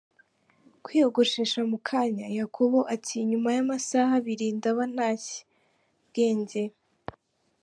kwiyogoshesha mukanya? Yakobo ati nyuma y'amasaha abiri ndaba ntashye! Bwenge.